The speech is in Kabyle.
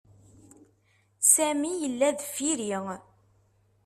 Sami yella deffir-i.